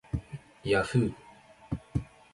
yahhoo